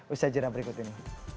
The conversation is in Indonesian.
ustaz jena berikut ini